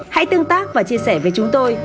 hãy tương tác và chia sẻ với chúng tôi